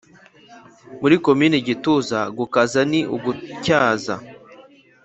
(muri komini gituza) gukaza ni ugutyaza